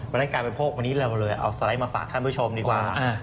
เพราะฉะนั้นการบริโภควันนี้เราเลยเอาสไลด์มาฝากท่านผู้ชมดีกว่า